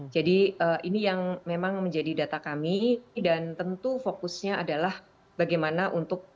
jadi ini yang memang menjadi data kami dan tentu fokusnya adalah bagaimana untuk